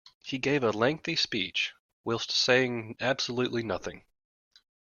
He gave a lengthy speech, whilst saying absolutely nothing.